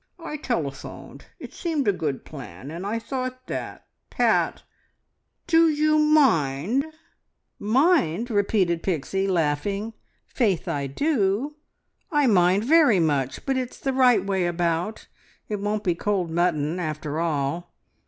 "I telephoned. It seemed a good plan, and I thought that, Pat. Do you mind?" "Mind!" repeated Pixie, laughing. "Faith I do! I mind very much; but it's the right way about; it won't be cold mutton, after all!